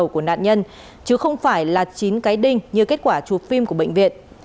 của nạn nhân chứ không phải là chín cái đinh như kết quả chụp phim của bệnh viện